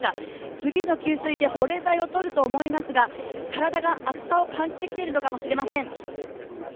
次の給水で、保冷剤をとると思いますが体が暑さを感じてきているのかもしれません。